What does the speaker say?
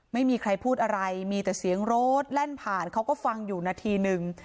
ไม่มีใครพูดอะไรมีแต่เสียงรถแล่นผ่านเขาก็ฟังอยู่นาทีนึง